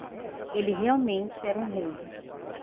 Ele realmente era um rei!